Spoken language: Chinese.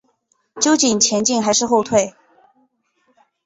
究竟前进还是后退？